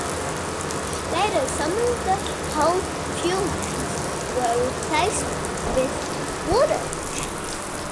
Later some of the hull fuel tanks were replaced with water tanks.